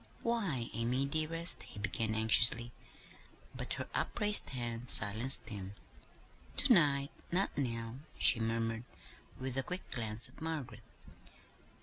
"Why, Amy, dearest," he began anxiously: but her upraised hand silenced him. "To night not now," she murmured, with a quick glance at Margaret.